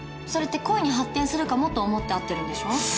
それって恋に発展するかもと思って会ってるんでしょう？